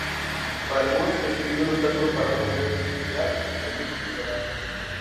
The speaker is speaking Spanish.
Para algunos constituye un obstáculo para una mayor flexibilidad en gestión del profesorado.